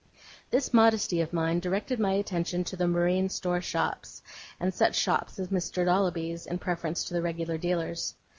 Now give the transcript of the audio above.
This modesty of mine directed my attention to the marine store shops, and such shops as Mr. Dolloby's, in preference to the regular dealers.